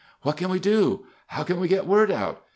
"What can we do?" "How can we get word out?"